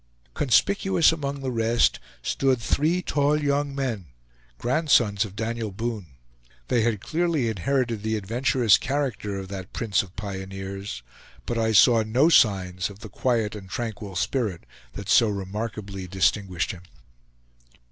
Conspicuous among the rest stood three tail young men, grandsons of Daniel Boone. They had clearly inherited the adventurous character of that prince of pioneers; but I saw no signs of the quiet and tranquil spirit that so remarkably distinguished him.